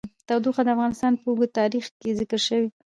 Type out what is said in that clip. تودوخه د افغانستان په اوږده تاریخ کې ذکر شوی دی.